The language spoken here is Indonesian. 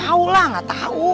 tau lah gak tau